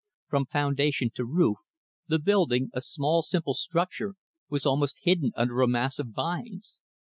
From foundation to roof, the building a small simple structure was almost hidden under a mass of vines.